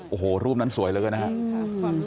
โอ้โหรูปนั้นสวยเลยนะครับ